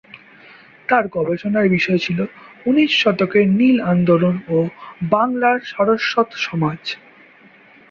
তার গবেষণার বিষয় ছিল 'ঊনিশ শতকের নীল আন্দোলন ও বাংলার সারস্বত সমাজ'।